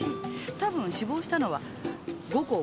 多分死亡したのは午後５時頃。